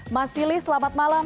mas silih selamat malam